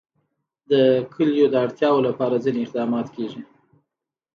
د کلیو د اړتیاوو لپاره ځینې اقدامات کېږي.